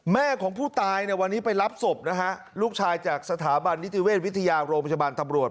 แม่ของผู้ตายเนี่ยวันนี้ไปรับศพนะฮะลูกชายจากสถาบันนิติเวชวิทยาโรงพยาบาลตำรวจ